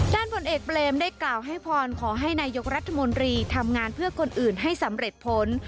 ผลเอกเบรมได้กล่าวให้พรขอให้นายกรัฐมนตรีทำงานเพื่อคนอื่นให้สำเร็จผล